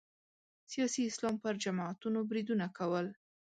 سیاسي اسلام پر جماعتونو بریدونه کول